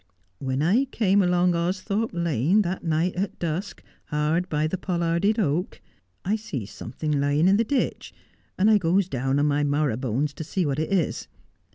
When I came along Austhorpe Lane that night at dusk, hard by the pollarded oak, I sees somethink lying in the ditch, and I goes down on my marrowbones to see what it is.